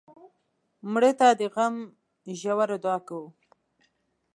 مړه ته د غم ژوره دعا کوو